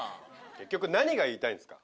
結局何が言いたいんですか？